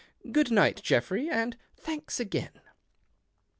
Good Lght, Geoffrey, and thanks again."